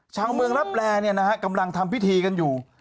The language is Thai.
ชาวเมืองรับแรงเนี่ยนะฮะกำลังทำพิธีกันอยู่